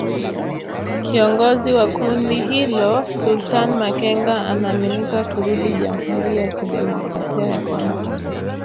Kiongozi wa kundi hilo Sultani Makenga anaaminika kurudi Jamhuri ya Kidemokrasia ya Kongo .